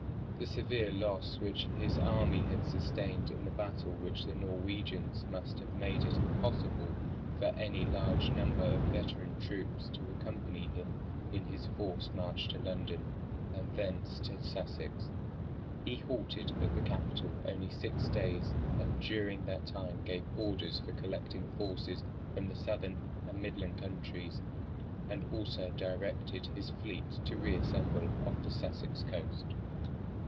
The severe loss which his army had sustained in the battle with the Norwegians must have made it impossible for any large number of veteran troops to accompany him in his forced march to London, and thence to Sussex. He halted at the capital only six days; and during that time gave orders for collecting forces from his southern and midland counties, and also directed his fleet to reassemble off the Sussex coast.